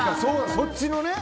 そっちのね。